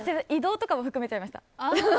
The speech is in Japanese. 移動とかも含めちゃいました。